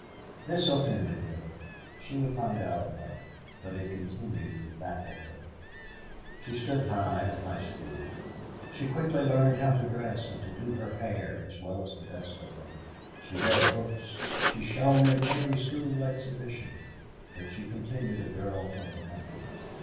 This offended her. She would find out about it. But it continued to baffle her. She stood high in school. She quickly learned how to dress and do her hair as well as the best of them. She read books, she shone in every school exhibition, but she continued a girl from the country.